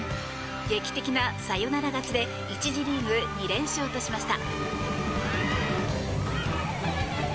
劇的なサヨナラ勝ちで１次リーグ２連勝としました。